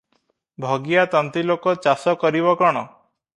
ଭଗିଆ ତନ୍ତୀଲୋକ, ଚାଷ କରିବ କଣ?